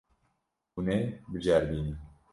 Hûn ê biceribînin.